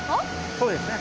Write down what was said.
そうですね。